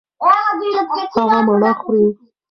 هغه مڼه خوري.